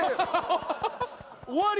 終わり？